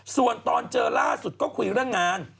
ส่วนตอนเจอล่าสุดก็คุยเรื่องงาน